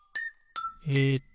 えっと